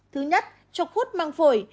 thứ nhất chọc hút măng phổi